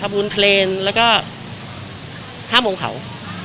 ทำอุณเทลและ๕มงเขา